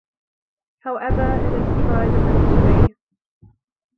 However, it is tried eventually.